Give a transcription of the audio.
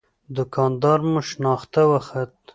دوکان دار مو شناخته وخت.